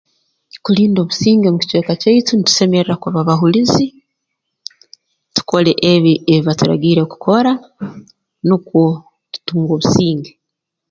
Kulinda obusinge mu kicweka kyaitu ntusemerra kuba bahulizi tukole ebi ebi baturagiire kukora nukwo tutunge obusinge